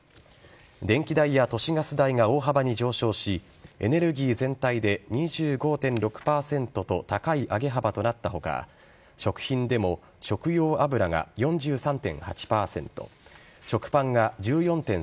電気代や都市ガス代が大幅に上昇しエネルギー全体で２５．６％と高い上げ幅となった他食品でも食用油が４３．８％食パンが１４．３％